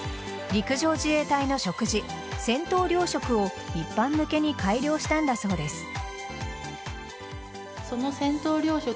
陸上自衛隊の食事・戦闘糧食を一般向けに改良したんだそうです。